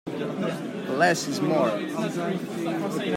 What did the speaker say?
Less is more.